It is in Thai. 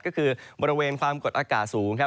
ก็คือบริเวณความกดอากาศสูง